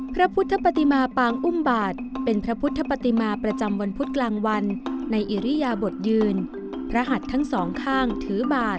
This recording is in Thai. พระพุทธปฏิมาปางอุ้มบาทเป็นพระพุทธปฏิมาประจำวันพุธกลางวันในอิริยาบทยืนพระหัดทั้งสองข้างถือบาท